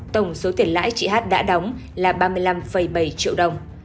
tổng số tiền lãi chị h đã đóng là ba mươi năm bảy triệu đồng